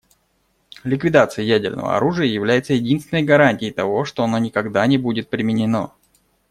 Ликвидация ядерного оружия является единственной гарантией того, что оно никогда не будет применено.